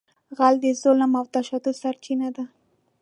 غل د ظلم او تشدد سرچینه ده